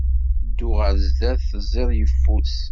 Ddu ɣer sdat, tezziḍ yeffus.